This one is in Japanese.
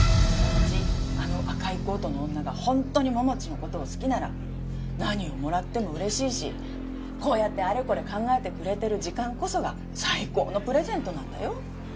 あの赤いコートの女が本当に桃地の事を好きなら何をもらっても嬉しいしこうやってあれこれ考えてくれてる時間こそが最高のプレゼントなんだよ。